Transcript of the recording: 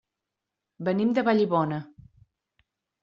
Venim de Vallibona.